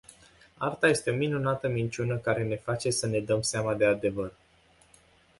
Arta este o minunată minciună care ne face să ne dăm seama de adevăr.